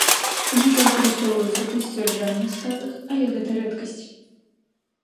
Можа выкарыстоўвацца ў сцвярджальных сказах, але гэта рэдкасць.